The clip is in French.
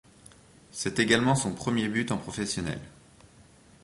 C'est également son premier but en professionnel.